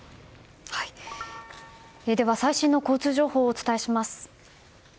では最新の交通情報をお伝えします。